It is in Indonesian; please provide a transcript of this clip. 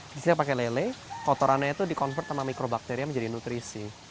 disitu pakai lele kotorannya itu dikonvert tanah mikrobakteria menjadi nutrisi